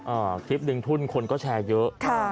คลิปหนึ่งทุ่นคนก็แชร์เยอะค่ะ